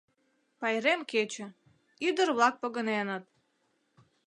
Пайрем кече, ӱдыр-влак погыненыт.